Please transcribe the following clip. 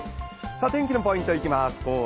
天気のポイントいきます。